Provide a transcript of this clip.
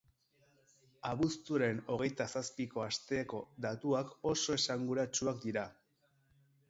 Abuztuaren hogeita zazpiko asteko datuak oso esanguratsuak dira.